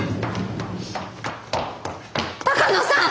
鷹野さん！